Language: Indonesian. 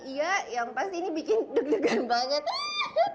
iya yang pasti ini bikin deg degan banget